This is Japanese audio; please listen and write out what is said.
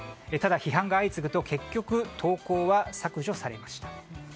ただ批判が相次ぐと結局投稿は削除されました。